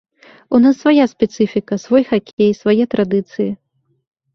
У нас свая спецыфіка, свой хакей, свае традыцыі.